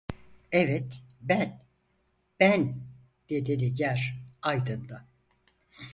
Evet. Ben! Ben… dedi. Nigar… Aydın'da…